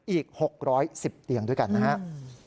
อีก๖๑๐เตียงด้วยกันนะครับ